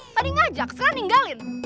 tadi ngajak sekarang ninggalin